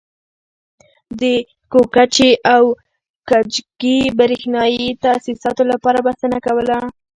د کوکچې او کجکي برېښنایي تاسیساتو لپاره بسنه کوله.